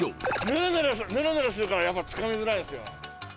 ヌルヌルするからやっぱつかみづらいですよ。